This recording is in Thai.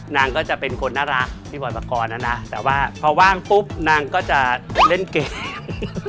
นางก็จะเป็นคนน่ารักพี่บอยปกรณ์นะนะแต่ว่าพอว่างปุ๊บนางก็จะเล่นเกม